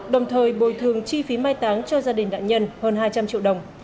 đồng thời bồi thường chi phí mai táng cho gia đình nạn nhân hơn hai trăm linh triệu đồng